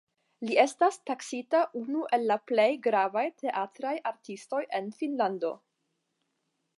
Li estas taksita unu el la plej gravaj teatraj artistoj en Finnlando.